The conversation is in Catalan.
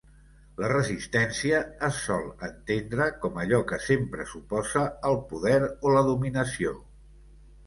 La resistència es sol entendre com allò que sempre s"oposa al poder o la dominació.